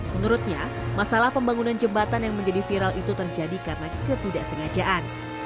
menurutnya masalah pembangunan jembatan yang menjadi viral itu terjadi karena ketidaksengajaan